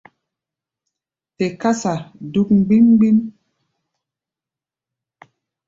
Te kása dúk gbím-gbím.